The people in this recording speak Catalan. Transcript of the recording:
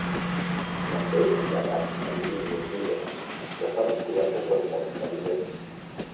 També hi ha dracs marítims indígenes que s'ha descobert que són molt intel·ligents.